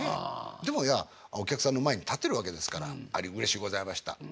でもお客さんの前に立てるわけですからうれしゅうございました。